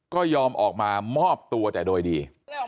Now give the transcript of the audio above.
ก็ยอมออกมามอบตัวแต่โดยดี